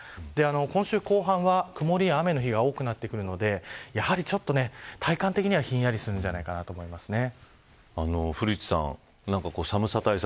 今週後半は曇りや雨の日が多くなってくるのでやはり体感的にはひんやりするんじゃないかと古市さん、何か寒さ対策